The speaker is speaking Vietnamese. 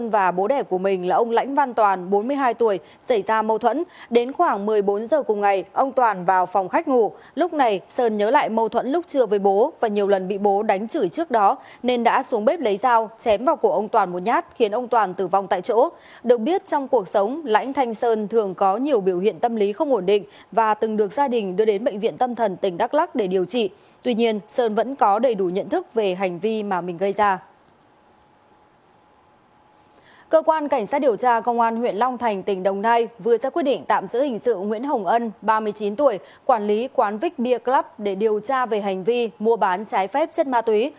vừa ra quyết định tạm giữ hình sự nguyễn hồng ân ba mươi chín tuổi quản lý quán vick beer club để điều tra về hành vi mua bán trái phép chất ma túy